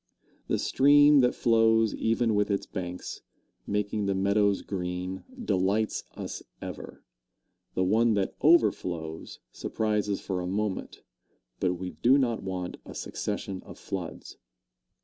The stream that flows even with its banks, making the meadows green, delights us ever; the one that overflows surprises for a moment. But we do not want a succession of floods.